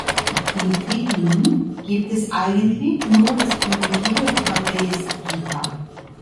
Im Triklinen gibt es eigentlich nur das primitive Bravaisgitter.